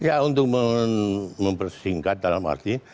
ya untuk mempersingkat dalam arti